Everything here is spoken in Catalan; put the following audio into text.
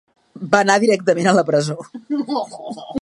Va anar directament a la presó.